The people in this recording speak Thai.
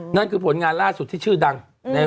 นั่นคือผลงานล่าสุดที่ชื่อดัง